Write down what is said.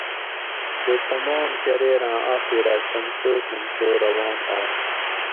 سہ تمام چۤریراۤں آخیرہ سمسو سمسو روان آش